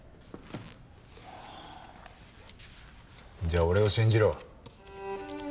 じゃあ俺を信じろ。